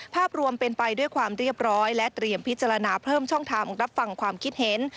ภาพรวมเป็นไปด้วยความเรียบร้อยและเตรียมพิจารณาเพิ่มช่องทางรับฟังความคิดเห็น